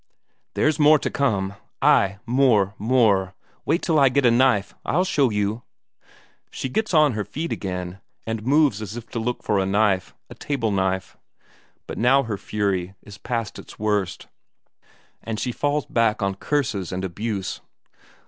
"There's more to come, ay, more, more. Wait till I get a knife. I'll show you!" She gets on her feet again, and moves as if to look for a knife, a table knife. But now her fury is past its worst, and she falls back on curses and abuse.